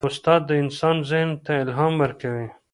استاد د انسان ذهن ته الهام ورکوي.